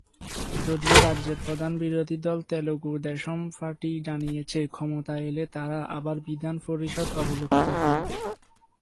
যদিও রাজ্যের প্রধান বিরোধী দল তেলুগু দেশম পার্টি জানিয়েছে, ক্ষমতায় এলে তারা আবার বিধান পরিষদ অবলুপ্ত করবে।